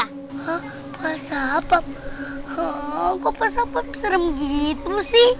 hah pasat pam kok pasat pam serem gitu sih